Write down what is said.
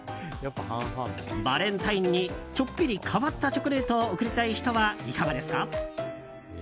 バレンタインにちょっぴり変わったチョコレートを贈りたい人はいかがですか？